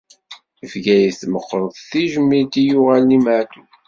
Bgayet, meqqret tejmilt i yuɣalen i Meɛtub.